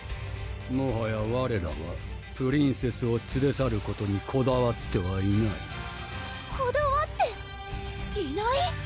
もはやわれらはプリンセスをつれ去ることにこだわってはいないこだわっていない？